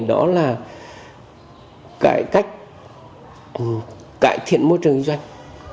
đó là cải cách cải thiện môi trường doanh